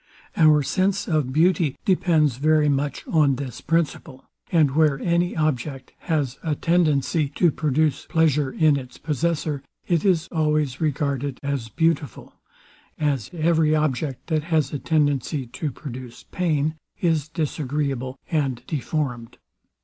Our sense of beauty depends very much on this principle; and where any object has atendency to produce pleasure in its possessor, it is always regarded as beautiful; as every object, that has a tendency to produce pain, is disagreeable and deformed.